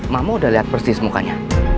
mama udah lihat persis mukanya